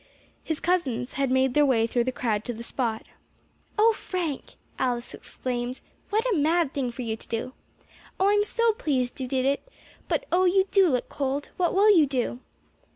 His cousins had made their way through the crowd to the spot. "O Frank," Alice exclaimed, "what a mad thing for you to do. Oh! I am so pleased you did it but oh, you do look cold! What will you do?"